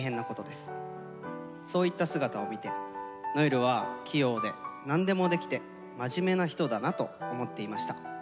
そういった姿を見て如恵留は器用で何でもできて真面目な人だなと思っていました。